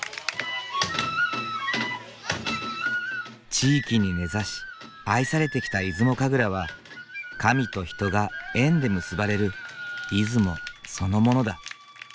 地域に根ざし愛されてきた出雲神楽は神と人が縁で結ばれる出雲そのものだ。